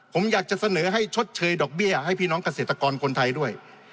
ผมอยากจะเสนอให้ชดเชยดอกเบี้ยให้พี่น้องเกษตรกรคนไทยด้วย